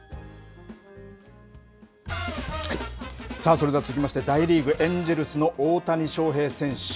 それでは続きまして大リーグ・エンジェルスの大谷翔平選手。